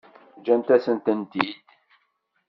Ǧǧan-asent-tent-id.